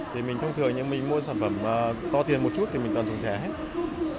thì mình thông thường như mình mua sản phẩm to tiền một chút thì mình còn dùng thẻ hết